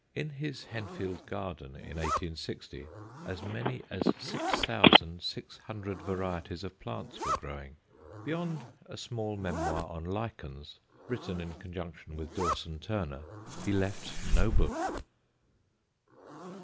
In his Henfield garden, in 1860, as many as 6,600 varieties of plants were growing. Beyond a small memoir on Lichens, written in conjunction with Dawson Turner, he left no book.